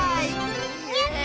やった！